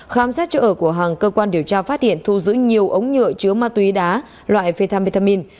khám sát chỗ ở của hàng cơ quan điều tra phát hiện thu giữ nhiều ống nhựa chứa ma túy đá loại phê tham bê tham min